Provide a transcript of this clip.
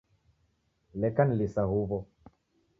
Leka nilisa huw'o.